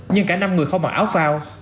nhưng cả năm người không mặc áo phao